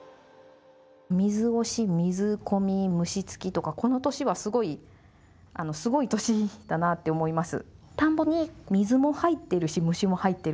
「水押し」「水込み」「虫付き」とかこの年はすごいすごい年だなって思います。